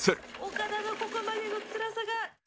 岡田のここまでのつらさが。